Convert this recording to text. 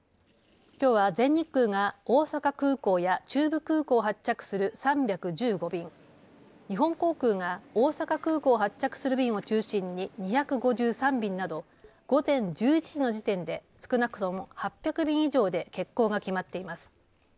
きょうは全日空が大阪空港や中部空港を発着する３１５便、日本航空が大阪空港を発着する便を中心に２５３便など午前１１時の時点で少なくとも８００便以上で欠航が決まっています。